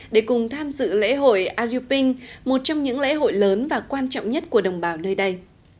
để cùng tham dự lễ hội ayuping một trong những lễ hội lớn và quan trọng nhất của đồng bào nơi đây